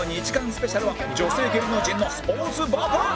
スペシャルは女性芸能人のスポーツバトル！